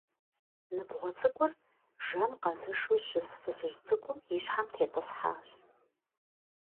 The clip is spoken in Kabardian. Ныбгъуэ цӀыкӀур жэм къэзышу щыс фызыжь цӀыкӀум и щхьэм тетӀысхьащ.